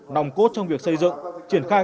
nòng cốt trong việc xây dựng triển khai